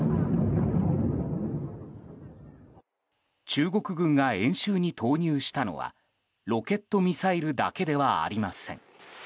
中国軍が演習に投入したのはロケットミサイルだけではありません。